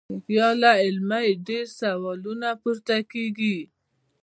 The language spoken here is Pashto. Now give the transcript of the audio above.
يا لا علمۍ ډېر سوالونه پورته کيږي -